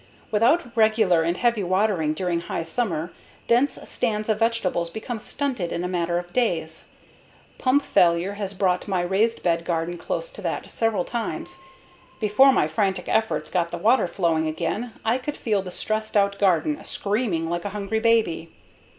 Without regular and heavy watering during high summer, dense stands of vegetables become stunted in a matter of days. Pump failure has brought my raised bed garden close to that several times. Before my frantic efforts got the water flowing again, I could feel the stressed out garden screaming like a hungry baby.